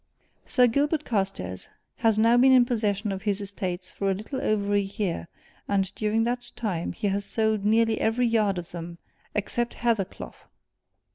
Sir Gilbert Carstairs has now been in possession of his estates for a little over a year, and during that time he has sold nearly every yard of them except Hathercleugh!"